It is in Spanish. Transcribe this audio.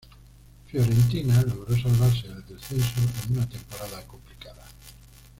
Fiorentina logró salvarse del descenso en una temporada complicada.